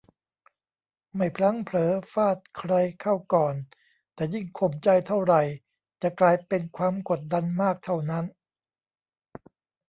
ไม่พลั้งเผลอฟาดใครเข้าก่อน แต่ยิ่งข่มใจเท่าไหร่จะกลายเป็นความกดดันมากเท่านั้น